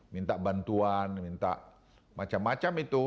minta bantuan minta macam macam itu